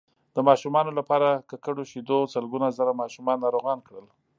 د ماشومانو لپاره ککړو شیدو سلګونه زره ماشومان ناروغان کړل